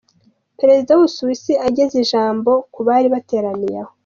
Perezida w'u Busuwisi ageze ijambo kubari bateraniye aho.